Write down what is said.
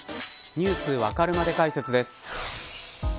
Ｎｅｗｓわかるまで解説です。